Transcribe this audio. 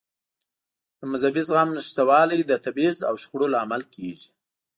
د مذهبي زغم نشتوالی د تبعیض او شخړو لامل کېږي.